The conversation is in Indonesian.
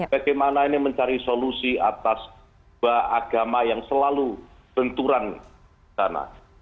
bagaimana ini mencari solusi atas dua agama yang selalu benturan di sana